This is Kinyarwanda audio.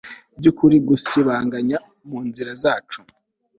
byukuri gusibanganya munzira zacu